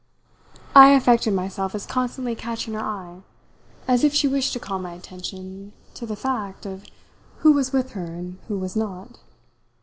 I affected myself as constantly catching her eye, as if she wished to call my attention to the fact of who was with her and who was not.